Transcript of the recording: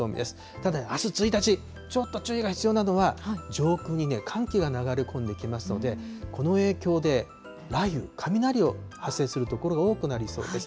ただ、あす１日、ちょっと注意が必要なのは、上空に寒気が流れ込んできますので、この影響で雷雨、雷を発生する所が多くなりそうです。